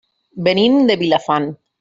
Venim de Vilafant.